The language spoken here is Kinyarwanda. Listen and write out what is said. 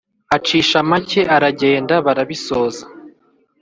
acisha make aragenda barabisoza,